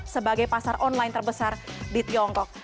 sebagai pasar online terbesar di tiongkok